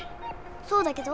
そうだけど。